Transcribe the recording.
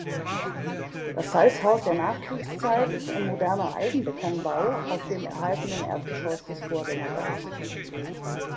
Das „Salzhaus“ der Nachkriegszeit ist ein moderner Eisenbetonbau auf dem erhaltenen Erdgeschoss des Vorgängerbaus.